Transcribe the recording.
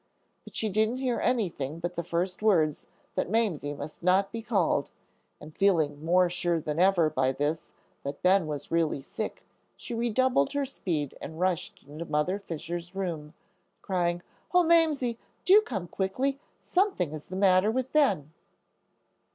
But she didn't hear anything but the first words, that Mamsie must not be called, and feeling more sure than ever by this that Ben was really sick, she redoubled her speed and rushed into Mother Fisher's room, crying, "Oh, Mamsie, do come quickly; something is the matter with Ben."